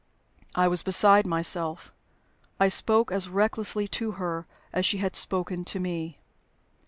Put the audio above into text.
I was beside myself. I spoke as recklessly to her as she had spoken to me.